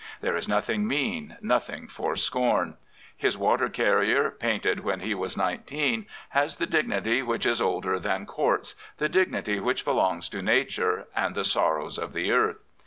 There is nothing mean, nothing for scorn. His water carrier, painted when he was nineteen, has the dignity which is older than Courts, the dignity which belongs to nature and the sorrows of the earth.